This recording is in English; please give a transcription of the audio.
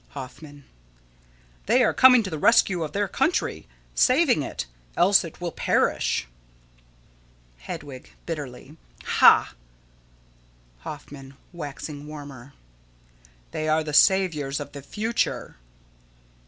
_] Hoffman: They are coming to the rescue of their country. Saving it; else it will perish. Hedwig: [Bitterly.] Ha! Hoffman: [Waxing warmer.] They are the saviors of the future.